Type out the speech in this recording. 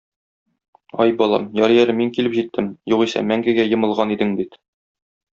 Ай, балам, ярый әле мин килеп җиттем, югыйсә мәңгегә йомылган идең бит.